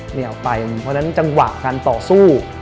เพราะฉะนั้นจังหวะการต่อสู้